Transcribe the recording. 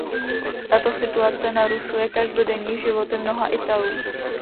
Tato situace narušuje každodenní životy mnoha Italů.